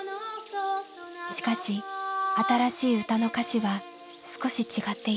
しかし新しい歌の歌詞は少し違っています。